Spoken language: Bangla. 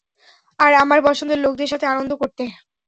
আর আমার পছন্দের লোকদের সাথে আনন্দ করতে।